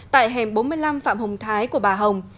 tại hẻm bốn mươi năm phạm hồng thái của bà hồng